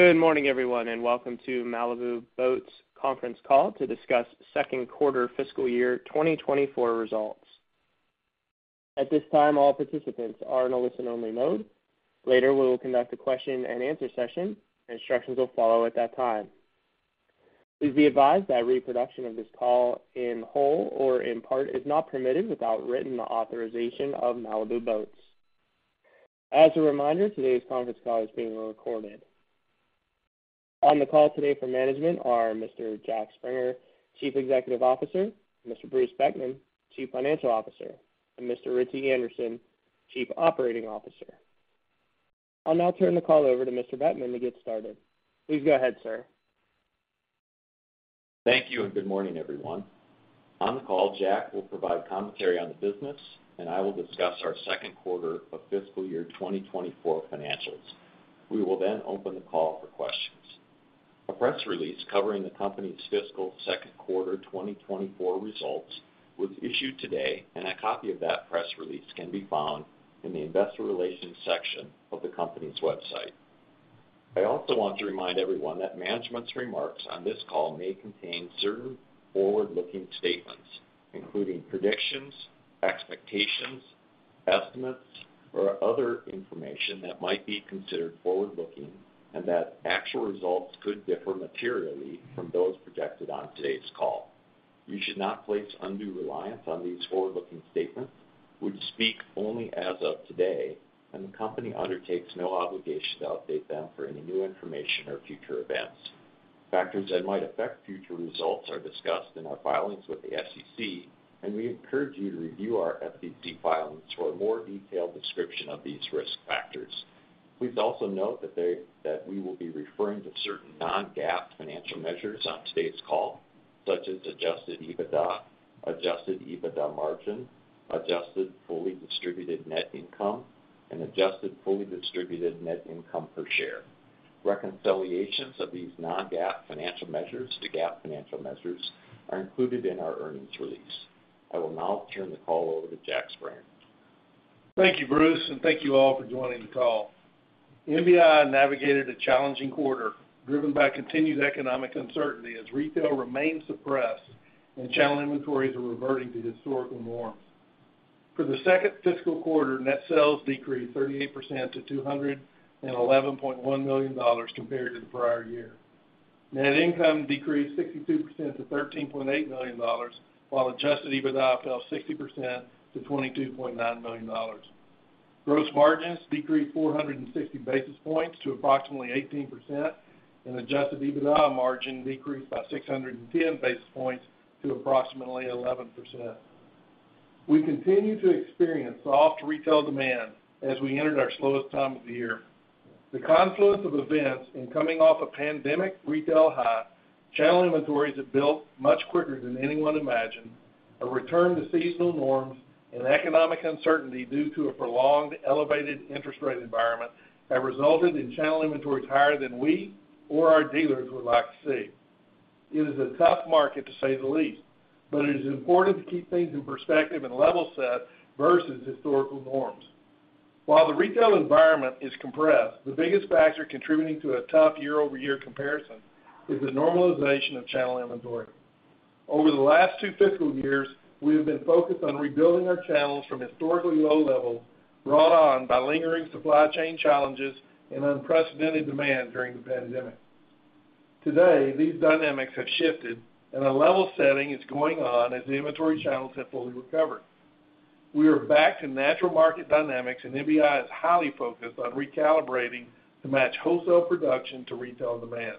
Good morning, everyone, and welcome to Malibu Boats Conference Call to discuss Second Quarter Fiscal Year 2024 Results. At this time, all participants are in a listen-only mode. Later, we will conduct a question-and-answer session. Instructions will follow at that time. Please be advised that reproduction of this call in whole or in part is not permitted without written authorization of Malibu Boats. As a reminder, today's conference call is being recorded. On the call today for management are Mr. Jack Springer, Chief Executive Officer, Mr. Bruce Beckman, Chief Financial Officer, and Mr. Ritchie Anderson, Chief Operating Officer. I'll now turn the call over to Mr. Beckman to get started. Please go ahead, sir. Thank you, and good morning, everyone. On the call, Jack will provide commentary on the business, and I will discuss our second quarter of fiscal year 2024 financials. We will then open the call for questions. A press release covering the company's fiscal second quarter 2024 results was issued today, and a copy of that press release can be found in the Investor Relations section of the company's website. I also want to remind everyone that management's remarks on this call may contain certain forward-looking statements, including predictions, expectations, estimates, or other information that might be considered forward-looking, and that actual results could differ materially from those projected on today's call. You should not place undue reliance on these forward-looking statements. We speak only as of today, and the company undertakes no obligation to update them for any new information or future events. Factors that might affect future results are discussed in our filings with the SEC, and we encourage you to review our SEC filings for a more detailed description of these risk factors. Please also note that we will be referring to certain non-GAAP financial measures on today's call, such as Adjusted EBITDA, Adjusted EBITDA Margin, Adjusted Fully Distributed Net Income, and Adjusted Fully Distributed Net Income per Share. Reconciliations of these non-GAAP financial measures to GAAP financial measures are included in our earnings release. I will now turn the call over to Jack Springer. Thank you, Bruce, and thank you all for joining the call. MBI navigated a challenging quarter, driven by continued economic uncertainty as retail remains suppressed and channel inventories are reverting to historical norms. For the second fiscal quarter, net sales decreased 38% to $211.1 million compared to the prior year. Net income decreased 62% to $13.8 million, while adjusted EBITDA fell 60% to $22.9 million. Gross margins decreased 460 basis points to approximately 18%, and adjusted EBITDA margin decreased by 610 basis points to approximately 11%. We continue to experience soft retail demand as we entered our slowest time of the year. The confluence of events in coming off a pandemic retail high, channel inventories have built much quicker than anyone imagined. A return to seasonal norms and economic uncertainty due to a prolonged elevated interest rate environment have resulted in channel inventories higher than we or our dealers would like to see. It is a tough market, to say the least, but it is important to keep things in perspective and level set versus historical norms. While the retail environment is compressed, the biggest factor contributing to a tough year-over-year comparison is the normalization of channel inventory. Over the last two fiscal years, we have been focused on rebuilding our channels from historically low levels, brought on by lingering supply chain challenges and unprecedented demand during the pandemic. Today, these dynamics have shifted and a level setting is going on as the inventory channels have fully recovered. We are back to natural market dynamics, and MBI is highly focused on recalibrating to match wholesale production to retail demand.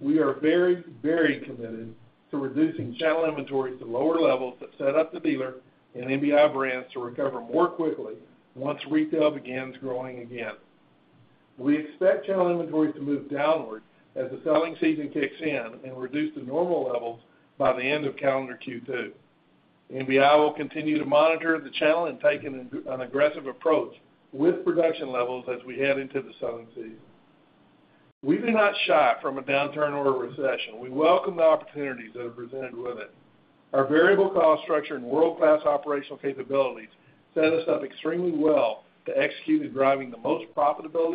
We are very, very committed to reducing channel inventories to lower levels that set up the dealer and MBI brands to recover more quickly once retail begins growing again. We expect channel inventories to move downward as the selling season kicks in and reduce to normal levels by the end of calendar Q2. MBI will continue to monitor the channel and take an aggressive approach with production levels as we head into the selling season. We do not shy from a downturn or a recession. We welcome the opportunities that are presented with it. Our variable cost structure and world-class operational capabilities set us up extremely well to execute in driving the most profitable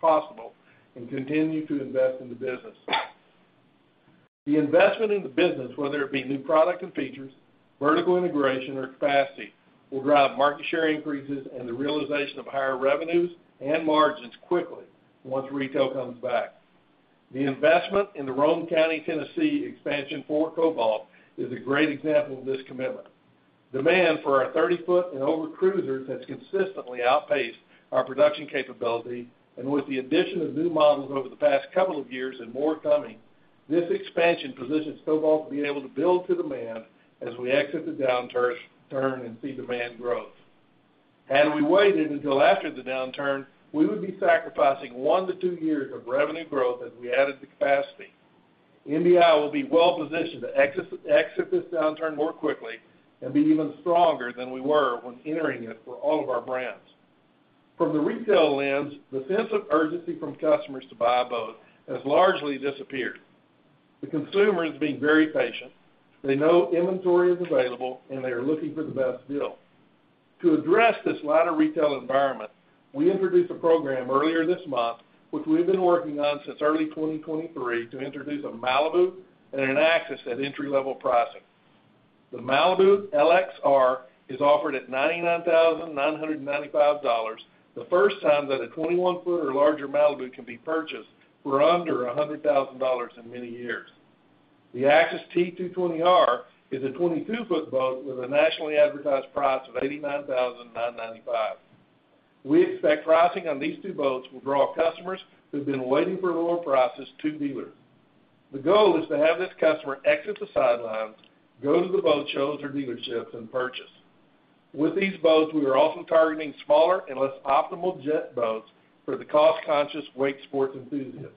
possible and continue to invest in the business. The investment in the business, whether it be new product and features, vertical integration, or capacity, will drive market share increases and the realization of higher revenues and margins quickly once retail comes back. The investment in the Roane County, Tennessee expansion for Cobalt is a great example of this commitment. Demand for our 30ft and over cruisers has consistently outpaced our production capability, and with the addition of new models over the past couple of years and more coming, this expansion positions Cobalt to be able to build to demand as we exit the downturn, turn and see demand growth. Had we waited until after the downturn, we would be sacrificing one to two years of revenue growth as we added the capacity. MBI will be well positioned to exit, exit this downturn more quickly and be even stronger than we were when entering it for all of our brands. From the retail lens, the sense of urgency from customers to buy a boat has largely disappeared. The consumer is being very patient. They know inventory is available, and they are looking for the best deal. To address this lighter retail environment, we introduced a program earlier this month, which we've been working on since early 2023, to introduce a Malibu and an Axis at entry-level pricing. The Malibu 21 LX-r is offered at $99,995, the first time that a 21ft or larger Malibu can be purchased for under $100,000 in many years. The Axis T220-r is a 22-foot boat with a nationally advertised price of $89,995. We expect pricing on these two boats will drive customers who've been waiting for lower prices to dealers. The goal is to have this customer exit the sidelines, go to the boat shows or dealerships, and purchase. With these boats, we are also targeting smaller and less optimal jet boats for the cost-conscious wake sports enthusiast.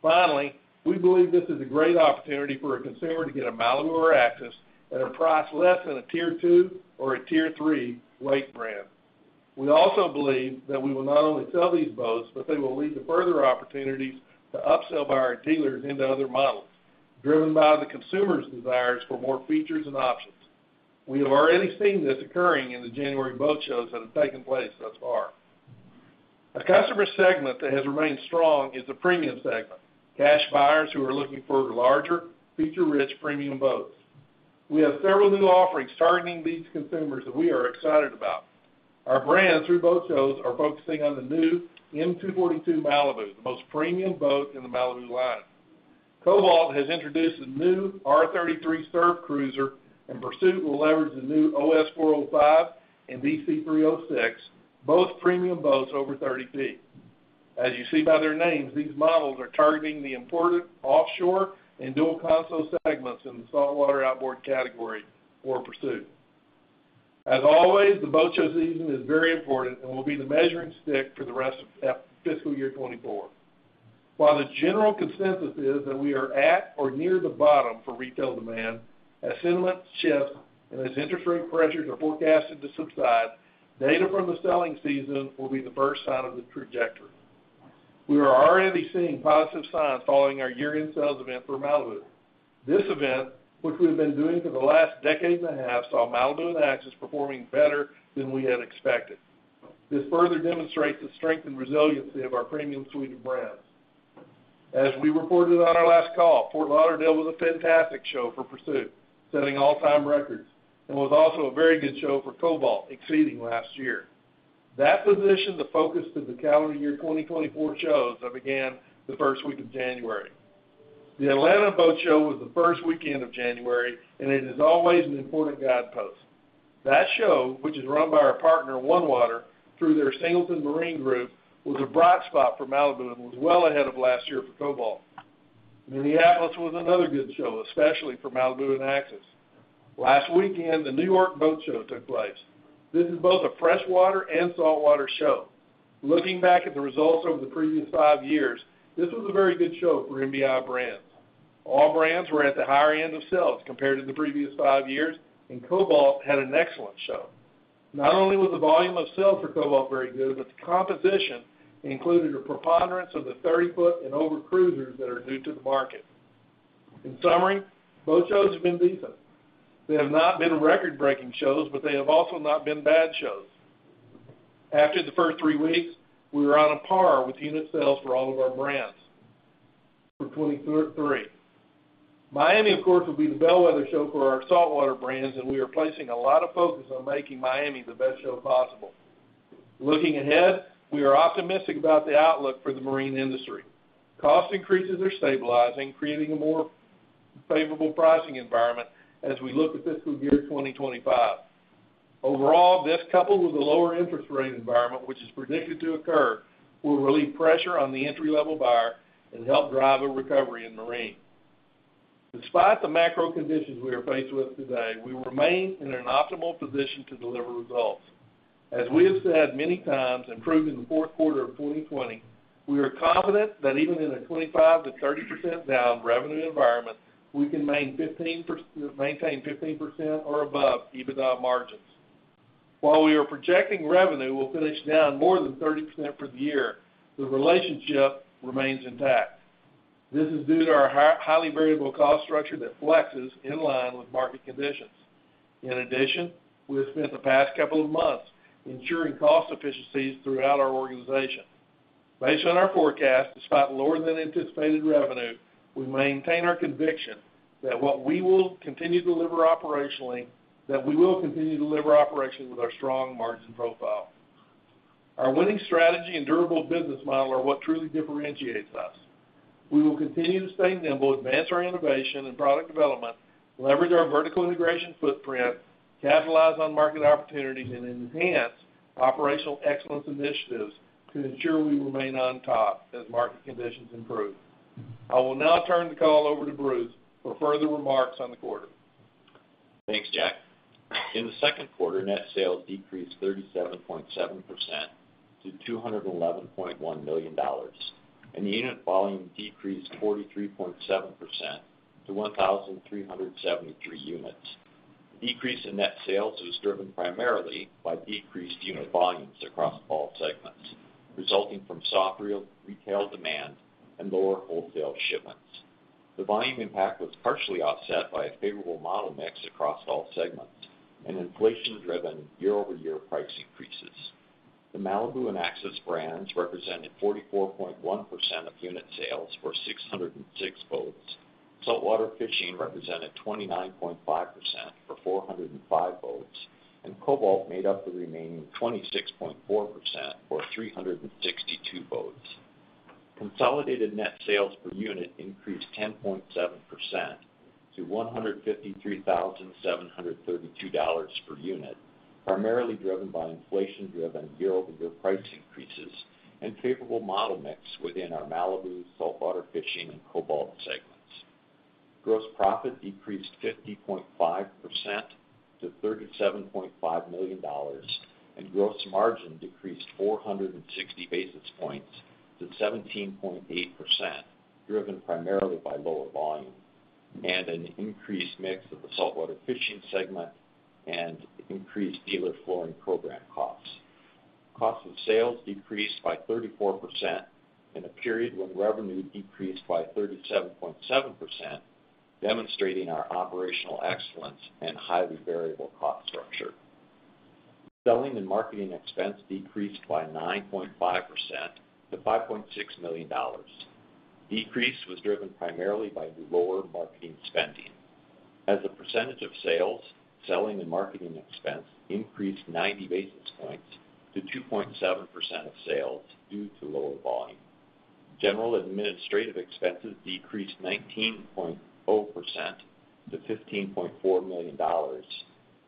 Finally, we believe this is a great opportunity for a consumer to get a Malibu or Axis at a price less than a Tier 2 or a Tier 3 wake brand. We also believe that we will not only sell these boats, but they will lead to further opportunities to upsell by our dealers into other models, driven by the consumer's desires for more features and options. We have already seen this occurring in the January boat shows that have taken place thus far. A customer segment that has remained strong is the premium segment, cash buyers who are looking for larger, feature-rich premium boats. We have several new offerings targeting these consumers that we are excited about. Our brands, through boat shows, are focusing on the new M240 Malibu, the most premium boat in the Malibu line. Cobalt has introduced a new R33 Surf Cruiser, and Pursuit will leverage the new OS 405 and DC 306, both premium boats over 30ft. As you see by their names, these models are targeting the important offshore and dual console segments in the saltwater outboard category for Pursuit. As always, the boat show season is very important and will be the measuring stick for the rest of fiscal year 2024. While the general consensus is that we are at or near the bottom for retail demand, as sentiments shift and as interest rate pressures are forecasted to subside, data from the selling season will be the first sign of the trajectory. We are already seeing positive signs following our year-end sales event for Malibu. This event, which we've been doing for the last decade and a half, saw Malibu and Axis performing better than we had expected. This further demonstrates the strength and resiliency of our premium suite of brands. As we reported on our last call, Fort Lauderdale was a fantastic show for Pursuit, setting all-time records, and was also a very good show for Cobalt, exceeding last year. That positioned the focus to the calendar year 2024 shows that began the first week of January. The Atlanta Boat Show was the first weekend of January, and it is always an important guidepost. That show, which is run by our partner, OneWater, through their Singleton Marine Group, was a bright spot for Malibu and was well ahead of last year for Cobalt. Minneapolis was another good show, especially for Malibu and Axis. Last weekend, the New York Boat Show took place. This is both a freshwater and saltwater show. Looking back at the results over the previous five years, this was a very good show for MBI brands. All brands were at the higher end of sales compared to the previous five years, and Cobalt had an excellent show. Not only was the volume of sales for Cobalt very good, but the composition included a preponderance of the 30-foot and over cruisers that are new to the market. In summary, boat shows have been decent. They have not been record-breaking shows, but they have also not been bad shows. After the first three weeks, we were on a par with unit sales for all of our brands for 2023. Miami, of course, will be the bellwether show for our saltwater brands, and we are placing a lot of focus on making Miami the best show possible. Looking ahead, we are optimistic about the outlook for the marine industry. Cost increases are stabilizing, creating a more favorable pricing environment as we look at fiscal year 2025. Overall, this, coupled with a lower interest rate environment, which is predicted to occur, will relieve pressure on the entry-level buyer and help drive a recovery in marine. Despite the macro conditions we are faced with today, we remain in an optimal position to deliver results. As we have said many times and proved in the fourth quarter of 2020, we are confident that even in a 25%-30% down revenue environment, we can maintain 15% or above EBITDA margins. While we are projecting revenue will finish down more than 30% for the year, the relationship remains intact. This is due to our highly variable cost structure that flexes in line with market conditions. In addition, we have spent the past couple of months ensuring cost efficiencies throughout our organization. Based on our forecast, despite lower-than-anticipated revenue, we maintain our conviction that we will continue to deliver operationally with our strong margin profile. Our winning strategy and durable business model are what truly differentiates us. We will continue to stay nimble, advance our innovation and product development, leverage our vertical integration footprint, capitalize on market opportunities, and enhance operational excellence initiatives to ensure we remain on top as market conditions improve. I will now turn the call over to Bruce for further remarks on the quarter. Thanks, Jack. In the second quarter, net sales decreased 37.7% to $211.1 million, and the unit volume decreased 43.7% to 1,373 units. Decrease in net sales was driven primarily by decreased unit volumes across all segments, resulting from soft retail demand and lower wholesale shipments. The volume impact was partially offset by a favorable model mix across all segments and inflation-driven year-over-year price increases. The Malibu and Axis brands represented 44.1% of unit sales for 606 boats. Saltwater Fishing represented 29.5% for 405 boats, and Cobalt made up the remaining 26.4% for 362 boats. Consolidated net sales per unit increased 10.7% to $153,732 per unit, primarily driven by inflation-driven year-over-year price increases and favorable model mix within our Malibu, Saltwater Fishing, and Cobalt segments. Gross profit decreased 50.5% to $37.5 million, and gross margin decreased 460 basis points to 17.8%, driven primarily by lower volume and an increased mix of the Saltwater Fishing segment and increased dealer flooring program costs. Cost of sales decreased by 34% in a period when revenue decreased by 37.7%, demonstrating our operational excellence and highly variable cost structure. Selling and marketing expense decreased by 9.5% to $5.6 million. Decrease was driven primarily by lower marketing spending. As a percentage of sales, selling and marketing expense increased 90 basis points to 2.7% of sales due to lower volume. General administrative expenses decreased 19.0% to $15.4 million.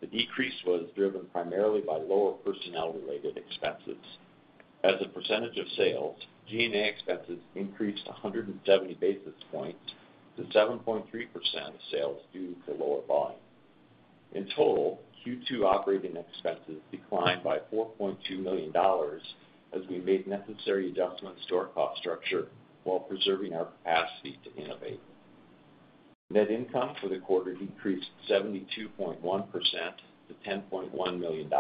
The decrease was driven primarily by lower personnel-related expenses. As a percentage of sales, G&A expenses increased 170 basis points to 7.3% of sales due to lower volume. In total, Q2 operating expenses declined by $4.2 million as we made necessary adjustments to our cost structure while preserving our capacity to innovate. Net income for the quarter decreased 72.1% to $10.1 million.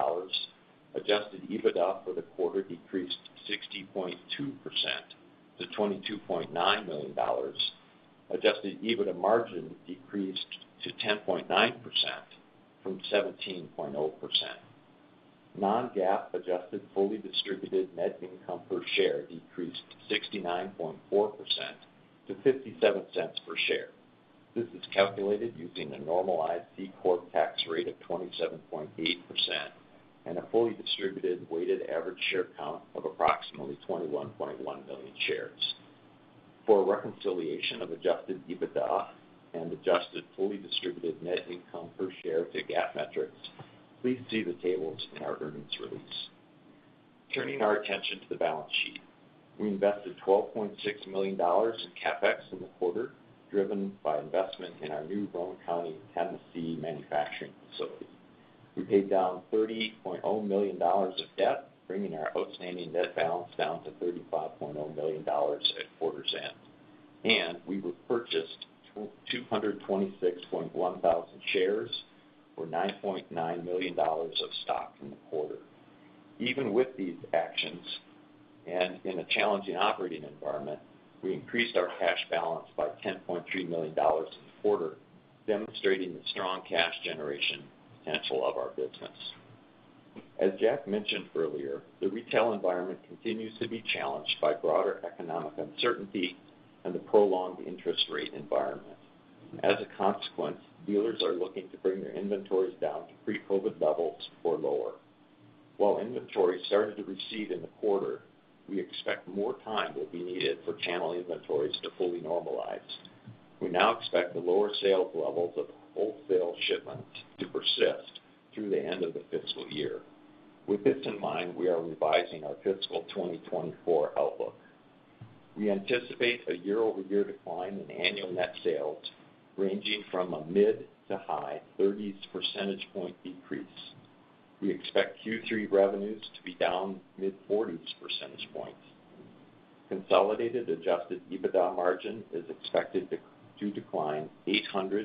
Adjusted EBITDA for the quarter decreased 60.2% to $22.9 million. Adjusted EBITDA margin decreased to 10.9% from 17.0%. Non-GAAP Adjusted Fully Distributed Net Income per share decreased 69.4% to $0.57 per share. This is calculated using a normalized C Corp tax rate of 27.8% and a fully distributed weighted average share count of approximately 21.1 million shares. For a reconciliation of Adjusted EBITDA and Adjusted Fully Distributed Net Income per share to GAAP metrics, please see the tables in our earnings release. Turning our attention to the balance sheet. We invested $12.6 million in CapEx in the quarter, driven by investment in our new Roane County, Tennessee, manufacturing facility. We paid down $30.0 million of debt, bringing our outstanding net balance down to $35.0 million at quarter's end. We repurchased 226.1 thousand shares or $9.9 million of stock in the quarter. Even with these actions, and in a challenging operating environment, we increased our cash balance by $10.3 million in the quarter, demonstrating the strong cash generation potential of our business. As Jack mentioned earlier, the retail environment continues to be challenged by broader economic uncertainty and the prolonged interest rate environment. As a consequence, dealers are looking to bring their inventories down to pre-COVID levels or lower. While inventory started to recede in the quarter, we expect more time will be needed for channel inventories to fully normalize. We now expect the lower sales levels of wholesale shipments to persist through the end of the fiscal year. With this in mind, we are revising our fiscal 2024 outlook. We anticipate a year-over-year decline in annual net sales, ranging from a mid- to high-30s percentage point decrease. We expect Q3 revenues to be down mid-40s percentage points. Consolidated adjusted EBITDA margin is expected to decline 800-900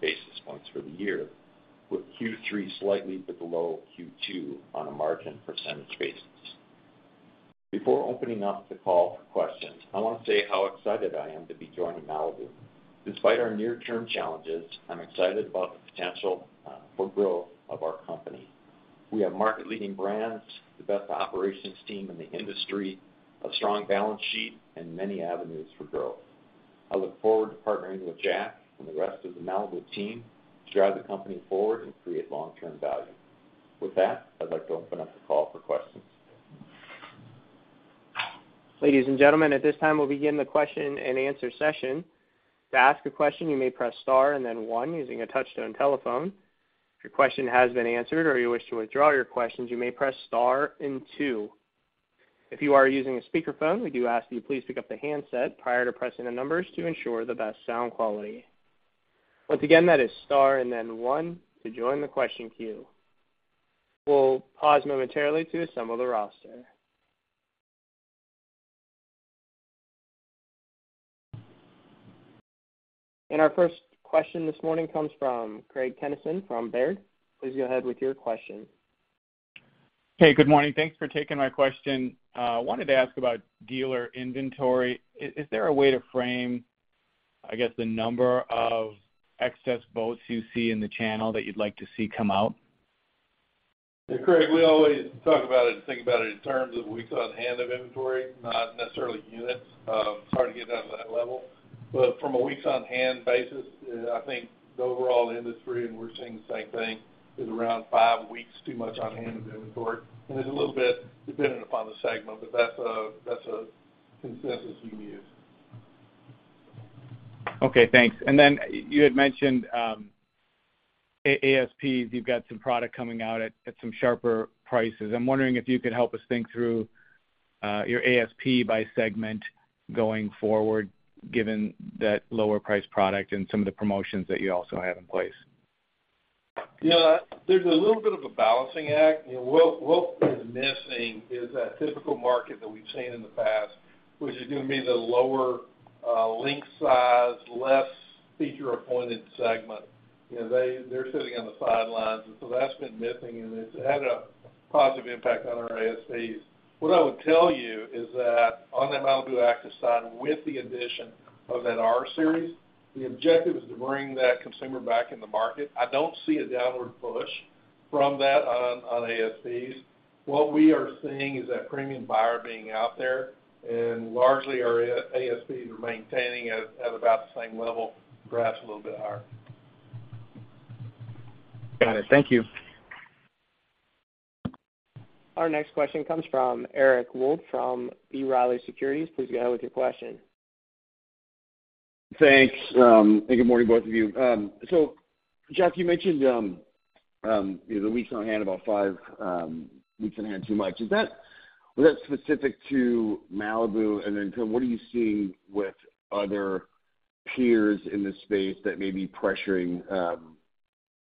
basis points for the year, with Q3 slightly below Q2 on a margin percentage basis. Before opening up the call for questions, I want to say how excited I am to be joining Malibu. Despite our near-term challenges, I'm excited about the potential for growth of our company. We have market-leading brands, the best operations team in the industry, a strong balance sheet, and many avenues for growth. I look forward to partnering with Jack and the rest of the Malibu team to drive the company forward and create long-term value. With that, I'd like to open up the call for questions. Ladies and gentlemen, at this time, we'll begin the question-and-answer session. To ask a question, you may press star and then one using a touch-tone telephone. If your question has been answered or you wish to withdraw your questions, you may press star and two. If you are using a speakerphone, we do ask that you please pick up the handset prior to pressing the numbers to ensure the best sound quality. Once again, that is star and then one to join the question queue. We'll pause momentarily to assemble the roster. Our first question this morning comes from Craig Kennison from Baird. Please go ahead with your question. Hey, good morning. Thanks for taking my question. Wanted to ask about dealer inventory. Is there a way to frame, I guess, the number of excess boats you see in the channel that you'd like to see come out? Yeah, Craig, we always talk about it and think about it in terms of weeks on hand of inventory, not necessarily units. It's hard to get down to that level. But from a weeks on hand basis, I think the overall industry, and we're seeing the same thing, is around five weeks too much on hand of inventory. And it's a little bit dependent upon the segment, but that's a consensus we use. Okay, thanks. And then you had mentioned ASPs. You've got some product coming out at some sharper prices. I'm wondering if you could help us think through your ASP by segment going forward, given that lower priced product and some of the promotions that you also have in place. Yeah. There's a little bit of a balancing act. You know, what, what is missing is that typical market that we've seen in the past, which is going to be the lower, link size, less feature-appointed segment. You know, they're sitting on the sidelines, and so that's been missing, and it's had a positive impact on our ASPs. What I would tell you is that on the Malibu Active side, with the addition of that R series, the objective is to bring that consumer back in the market. I don't see a downward push from that on ASPs. What we are seeing is that premium buyer being out there, and largely our ASPs are maintaining at about the same level, perhaps a little bit higher. Got it. Thank you. Our next question comes from Eric Wold from B. Riley Securities. Please go ahead with your question. Thanks, and good morning, both of you. So Jack, you mentioned, you know, the weeks on hand, about five weeks on hand too much. Was that specific to Malibu? And then kind of what are you seeing with other peers in this space that may be pressuring,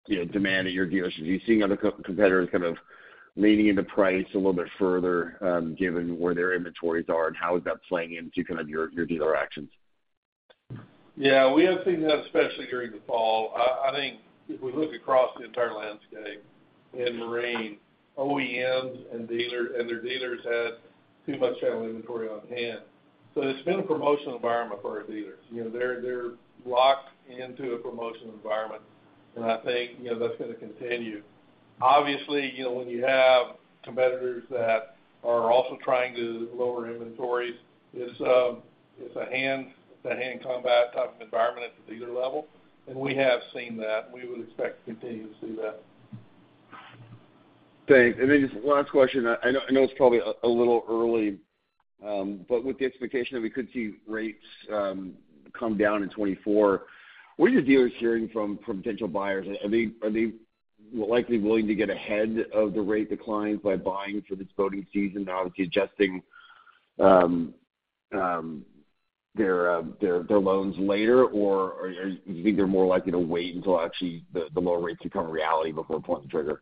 you know, demand at your dealerships? Are you seeing other competitors kind of leaning into price a little bit further, given where their inventories are, and how is that playing into kind of your, your dealer actions? Yeah, we have seen that, especially during the fall. I think if we look across the entire landscape in marine, OEMs and dealers and their dealers had too much Channel Inventory on hand. So there's been a promotional environment for our dealers. You know, they're locked into a promotional environment, and I think, you know, that's going to continue. Obviously, you know, when you have competitors that are also trying to lower inventories, it's a hand-to-hand combat type of environment at the dealer level, and we have seen that. We would expect to continue to see that. Thanks. And then just one last question. I know it's probably a little early, but with the expectation that we could see rates come down in 2024, what are your dealers hearing from potential buyers? Are they likely willing to get ahead of the rate declines by buying for this boating season, obviously adjusting their loans later? Or do you think they're more likely to wait until actually the lower rates become a reality before pulling the trigger?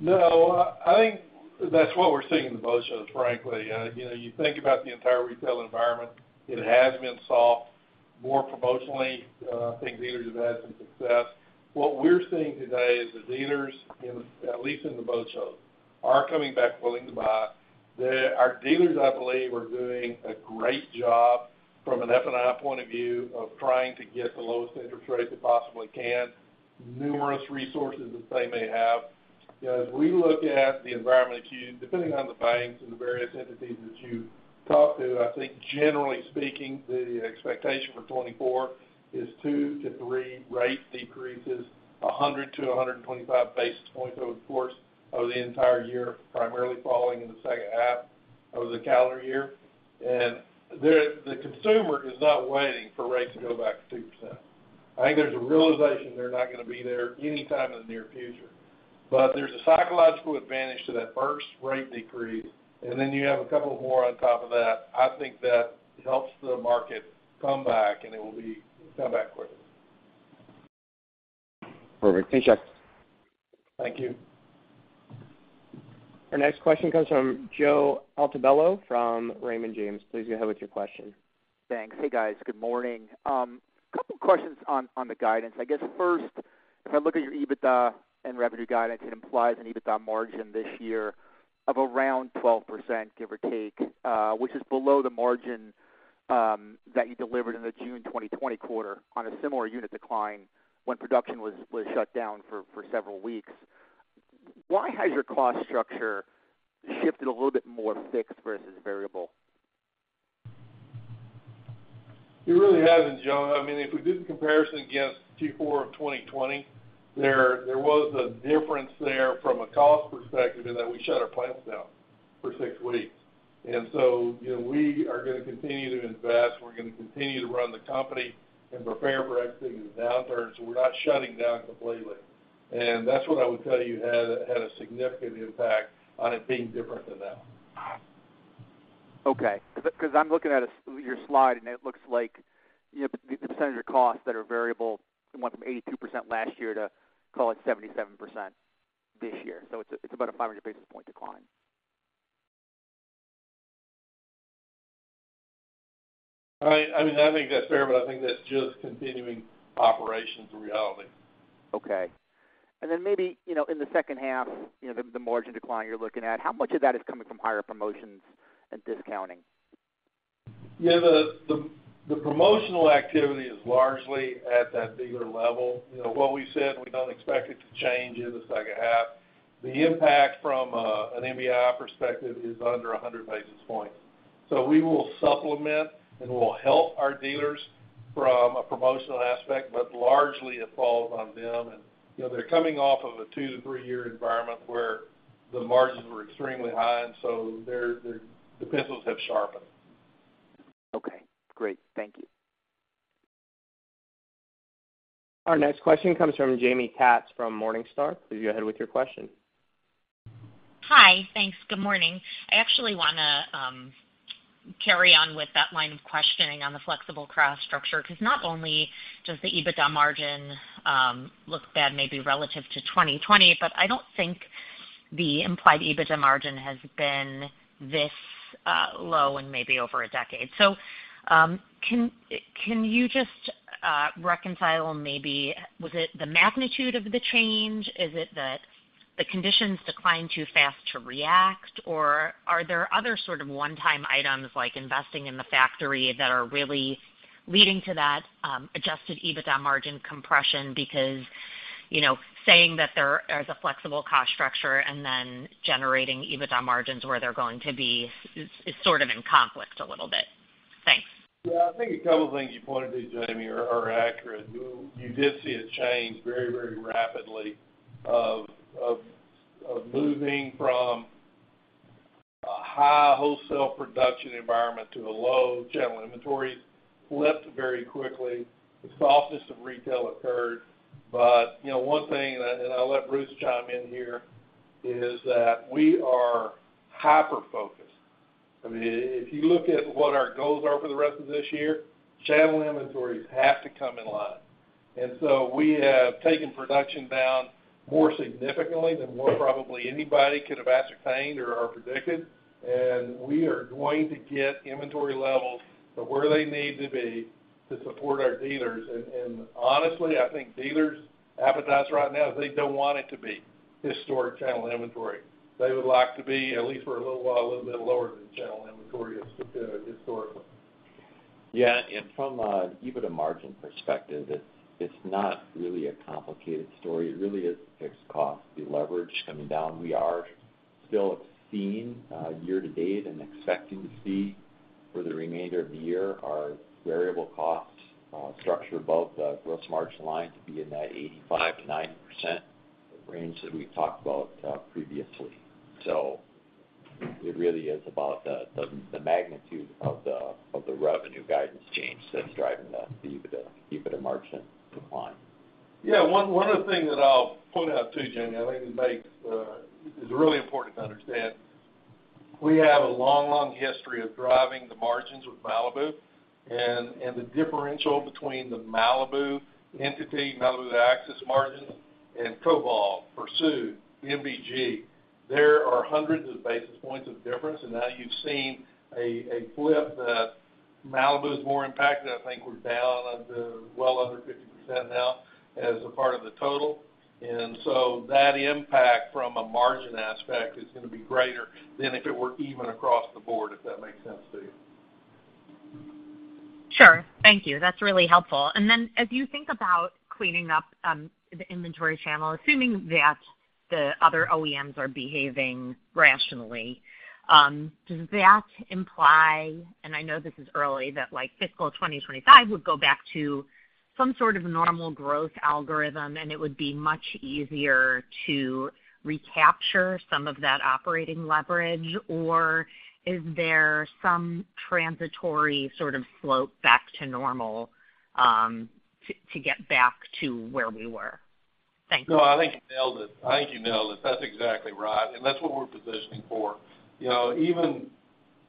No, I think that's what we're seeing in the boat shows, frankly. You know, you think about the entire retail environment, it has been soft, more promotionally. I think dealers have had some success. What we're seeing today is the dealers, at least in the boat shows, are coming back willing to buy. Our dealers, I believe, are doing a great job from an F&I point of view of trying to get the lowest interest rates they possibly can, numerous resources that they may have. You know, as we look at the environment that you depending on the banks and the various entities that you talk to, I think generally speaking, the expectation for 2024 is 2-3 rate decreases, 100-125 basis points over the course of the entire year, primarily falling in the second half of the calendar year. The consumer is not waiting for rates to go back to 2%. I think there's a realization they're not going to be there anytime in the near future. But there's a psychological advantage to that first rate decrease, and then you have a couple more on top of that. I think that helps the market come back, and it will come back quickly. Perfect. Thanks, Jack. Thank you. Our next question comes from Joe Altobello from Raymond James. Please go ahead with your question. Thanks. Hey, guys. Good morning. Couple questions on the guidance. I guess first, if I look at your EBITDA and revenue guidance, it implies an EBITDA margin this year of around 12%, give or take, which is below the margin that you delivered in the June 2020 quarter on a similar unit decline when production was shut down for several weeks. Why has your cost structure shifted a little bit more fixed versus variable? It really hasn't, Joe. I mean, if we did the comparison against Q4 of 2020, there was a difference there from a cost perspective in that we shut our plants down for six weeks. So, you know, we are going to continue to invest. We're going to continue to run the company and prepare for exiting the downturn, so we're not shutting down completely. And that's what I would tell you had a significant impact on it being different than that. Okay. Because I'm looking at your slide, and it looks like, you know, the percentage of costs that are variable went from 82% last year to, call it, 77% this year. So it's about a 500 basis point decline. I mean, I think that's fair, but I think that's just continuing operations reality. Okay. And then maybe, you know, in the second half, you know, the margin decline you're looking at, how much of that is coming from higher promotions and discounting? Yeah, the promotional activity is largely at that dealer level. You know, what we said, we don't expect it to change in the second half. The impact from an NBI perspective is under 100 basis points. So we will supplement, and we'll help our dealers from a promotional aspect, but largely it falls on them. And, you know, they're coming off of a two to three-year environment where the margins were extremely high, and so they're the pencils have sharpened. Okay, great. Thank you. Our next question comes from Jamie Katz from Morningstar. Please go ahead with your question. Hi. Thanks. Good morning. I actually wanna carry on with that line of questioning on the flexible cost structure, because not only does the EBITDA margin look bad, maybe relative to 2020, but I don't think the implied EBITDA margin has been this low in maybe over a decade. So, can you just reconcile maybe, was it the magnitude of the change? Is it that the conditions declined too fast to react, or are there other sort of one-time items, like investing in the factory, that are really leading to that adjusted EBITDA margin compression? Because, you know, saying that there is a flexible cost structure and then generating EBITDA margins where they're going to be is sort of in conflict a little bit. Thanks. Yeah, I think a couple of things you pointed to, Jamie, are accurate. You did see a change very, very rapidly of moving from a high wholesale production environment to a low channel. Inventories flipped very quickly. The softness of retail occurred. But, you know, one thing, and I'll let Bruce chime in here, is that we are hyper-focused. I mean, if you look at what our goals are for the rest of this year, channel inventories have to come in line. And so we have taken production down more significantly than more probably anybody could have ascertained or predicted, and we are going to get inventory levels to where they need to be to support our dealers. And honestly, I think dealers' appetite right now is they don't want it to be historic channel inventory. They would like to be, at least for a little while, a little bit lower than channel inventory has historically. Yeah, and from a EBITDA margin perspective, it's not really a complicated story. It really is fixed cost, the leverage coming down. We are still seeing year to date and expecting to see for the remainder of the year, our variable cost structure, both the gross margin line to be in that 85%-90% range that we've talked about previously. So it really is about the magnitude of the revenue guidance change that's driving the EBITDA margin decline. Yeah, one other thing that I'll point out, too, Jamie, I think makes is really important to understand. We have a long, long history of driving the margins with Malibu, and the differential between the Malibu entity, Malibu Axis margin, and Cobalt, Pursuit, MBG, there are hundreds of basis points of difference. And now you've seen a flip that Malibu is more impacted. I think we're down to well under 50% now as a part of the total. And so that impact from a margin aspect is gonna be greater than if it were even across the board, if that makes sense to you. Sure. Thank you. That's really helpful. And then as you think about cleaning up, the inventory channel, assuming that the other OEMs are behaving rationally, does that imply, and I know this is early, that like fiscal 2025 would go back to some sort of normal growth algorithm, and it would be much easier to recapture some of that operating leverage? Or is there some transitory sort of slope back to normal, to, to get back to where we were? Thanks. No, I think you nailed it. I think you nailed it. That's exactly right, and that's what we're positioning for.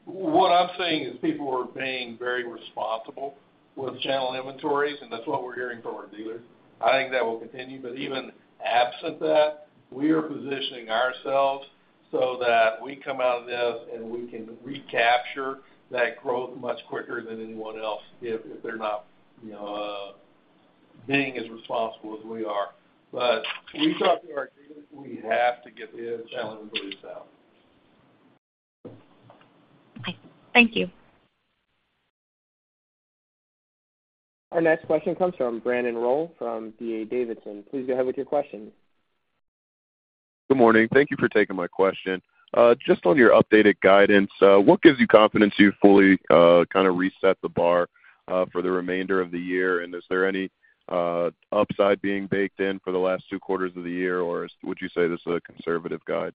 What I'm seeing is people are being very responsible with channel inventories, and that's what we're hearing from our dealers. I think that will continue, but even absent that, we are positioning ourselves so that we can come out of this, and we can recapture that growth much quicker than anyone else if they're not, you know, being as responsible as we are. But we talk to our dealers, we have to get the channel inventories out. Okay. Thank you. Our next question comes from Brandon Rolle from D.A. Davidson. Please go ahead with your question. Good morning. Thank you for taking my question. Just on your updated guidance, what gives you confidence you fully kind of reset the bar for the remainder of the year? And is there any upside being baked in for the last two quarters of the year, or would you say this is a conservative guide?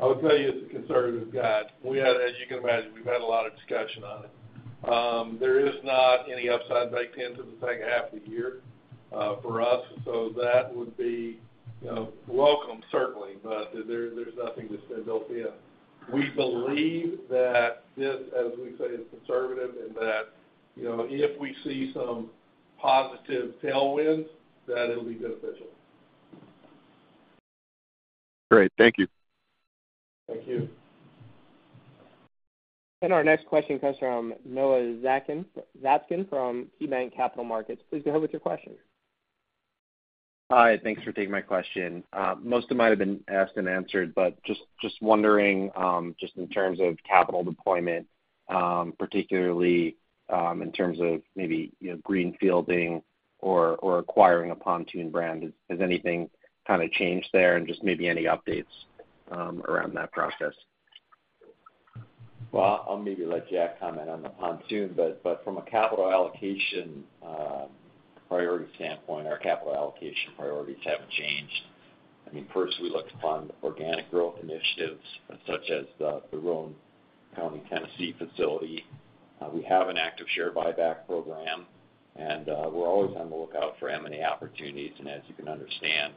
I would tell you it's a conservative guide. We had, as you can imagine, we've had a lot of discussion on it. There is not any upside baked in for the second half of the year, for us. So that would be, you know, welcome, certainly, but there, there's nothing to say built in. We believe that this, as we say, is conservative and that, you know, if we see some positive tailwinds, that it'll be beneficial. Great. Thank you. Thank you. Our next question comes from Noah Zatzkin from KeyBanc Capital Markets. Please go ahead with your question. Hi, thanks for taking my question. Most of mine have been asked and answered, but just wondering, just in terms of capital deployment, particularly in terms of maybe, you know, greenfielding or acquiring a pontoon brand, has anything kind of changed there? And just maybe any updates around that process? Well, I'll maybe let Jack comment on the pontoon, but from a capital allocation priority standpoint, our capital allocation priorities haven't changed. I mean, first, we look to fund organic growth initiatives such as the Roane County, Tennessee facility. We have an active share buyback program, and we're always on the lookout for M&A opportunities. And as you can understand,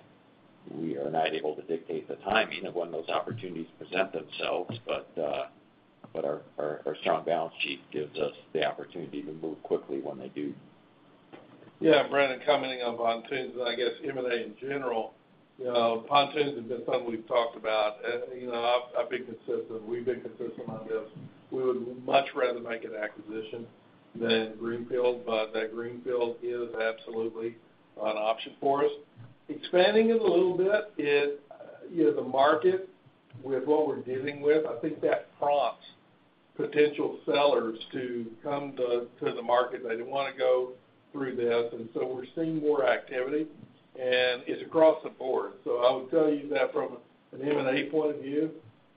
we are not able to dictate the timing of when those opportunities present themselves. But our strong balance sheet gives us the opportunity to move quickly when they do. Yeah, Bruce commenting on pontoons and I guess M&A in general, you know, pontoons have been something we've talked about. And, you know, I've been consistent, we've been consistent on this. We would much rather make an acquisition than greenfield, but that greenfield is absolutely an option for us. Expanding it a little bit, you know, the market with what we're dealing with, I think that prompts potential sellers to come to the market. They don't want to go through this, and so we're seeing more activity, and it's across the board. So I would tell you that from an M&A point of view,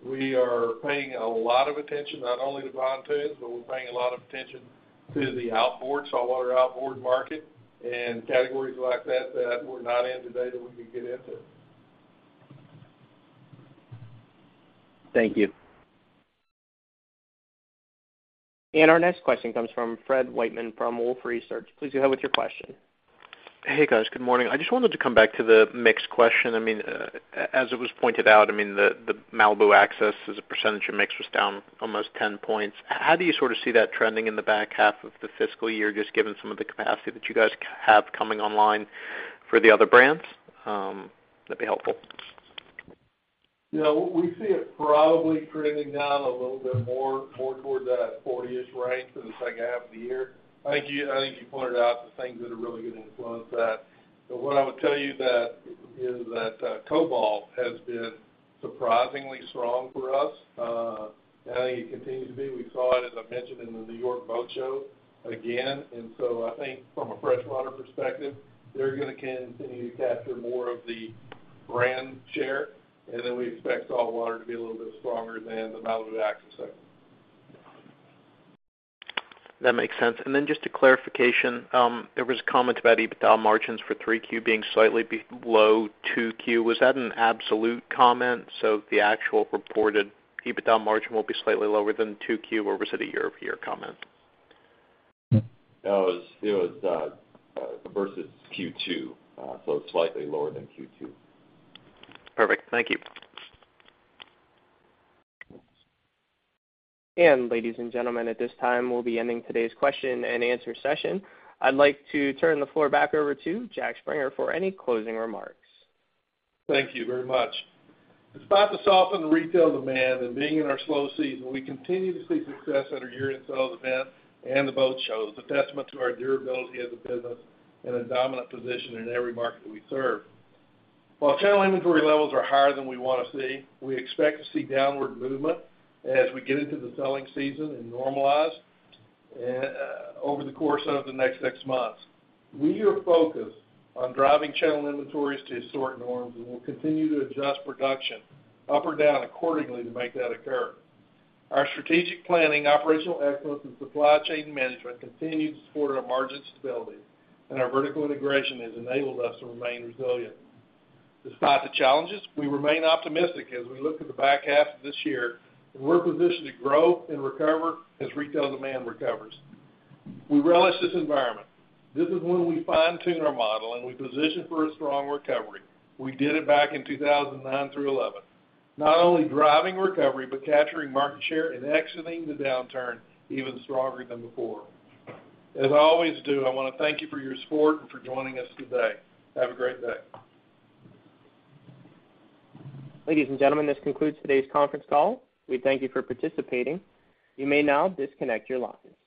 we are paying a lot of attention, not only to pontoons, but we're paying a lot of attention to the outboard, saltwater outboard market and categories like that, that we're not in today, that we could get into. Thank you. Our next question comes from Fred Wightman from Wolfe Research. Please go ahead with your question. Hey, guys. Good morning. I just wanted to come back to the mix question. I mean, as it was pointed out, I mean, the Malibu Axis as a percentage of mix was down almost 10 points. How do you sort of see that trending in the back half of the fiscal year, just given some of the capacity that you guys have coming online for the other brands? That'd be helpful. Yeah, we see it probably trending down a little bit more toward that 40-ish range for the second half of the year. I think you pointed out the things that are really going to influence that. But what I would tell you is that Cobalt has been surprisingly strong for us. And I think it continues to be. We saw it, as I mentioned, in the New York Boat Show again. And so I think from a freshwater perspective, they're going to continue to capture more of the brand share, and then we expect saltwater to be a little bit stronger than the Malibu and Axis segment. That makes sense. Just a clarification, there was a comment about EBITDA margins for 3Q being slightly below 2Q. Was that an absolute comment, so the actual reported EBITDA margin will be slightly lower than 2Q, or was it a year-over-year comment? No, it was versus Q2, so slightly lower than Q2. Perfect. Thank you. Ladies and gentlemen, at this time, we'll be ending today's question and answer session. I'd like to turn the floor back over to Jack Springer for any closing remarks. Thank you very much. Despite the softening in retail demand and being in our slow season, we continue to see success at our year-end sales event and the boat shows, a testament to our durability as a business and a dominant position in every market that we serve. While channel inventory levels are higher than we want to see, we expect to see downward movement as we get into the selling season and normalize over the course of the next six months. We are focused on driving channel inventories to sorted norms, and we'll continue to adjust production up or down accordingly to make that occur. Our strategic planning, operational excellence, and supply chain management continue to support our margin stability, and our vertical integration has enabled us to remain resilient. Despite the challenges, we remain optimistic as we look at the back half of this year, and we're positioned to grow and recover as retail demand recovers. We relish this environment. This is when we fine-tune our model, and we position for a strong recovery. We did it back in 2009 through 2011, not only driving recovery, but capturing market share and exiting the downturn even stronger than before. As I always do, I want to thank you for your support and for joining us today. Have a great day. Ladies and gentlemen, this concludes today's conference call. We thank you for participating. You may now disconnect your lines.